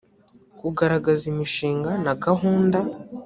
kugaragaza imishinga na gahunda